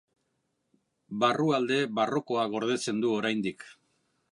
Barrualde barrokoa gordetzen du oraindik.